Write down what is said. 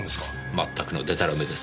まったくのでたらめです。